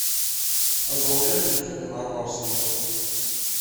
Aẓru-a yettemcabi ar uɣersiw.